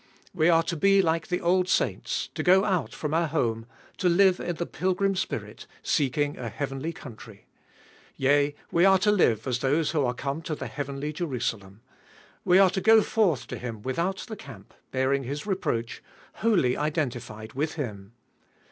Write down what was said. We are to be like the old saints, to go out from our home, to live in the pilgrim spirit, seeking a heavenly country. Yea, we are Cbe Doltest ot ail 551 to live as those who are come to the heavenly Jerusalem. We are to go forth to Him without the camp bearing His reproach, wholly identified with Him.